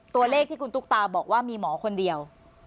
ตัวเลขที่คุณตุ๊กตาบอกว่ามีหมอคนเดียว